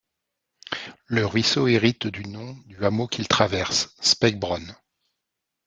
Le ruisseau hérite du nom du hameau qu'il traverse, Speckbronn.